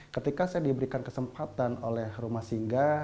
ketika saya diberikan kesempatan oleh rumah singga